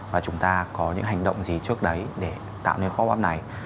và chúng ta có những hành động gì trước đấy để tạo nên pop up này